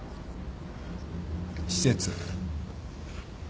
施設。